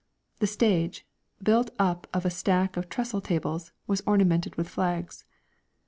The stage, built up of a stack of trestle tables, was ornamented with flags.